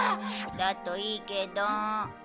だといいけど。